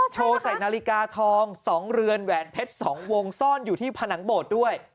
ใส่นาฬิกาทอง๒เรือนแหวนเพชร๒วงซ่อนอยู่ที่ผนังโบสถ์ด้วย